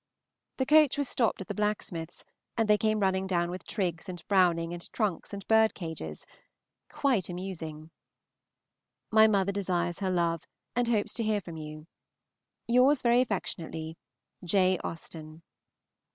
The coach was stopped at the blacksmith's, and they came running down with Triggs and Browning, and trunks, and birdcages. Quite amusing. My mother desires her love, and hopes to hear from you. Yours very affectionately, J. AUSTEN.